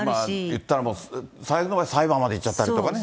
言ったらもう、最後は裁判までいっちゃったりとかね。